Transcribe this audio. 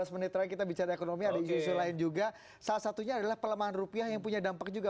menit lagi kita bicara ekonomi juga salah satunya adalah pelemahan rupiah yang punya dampak juga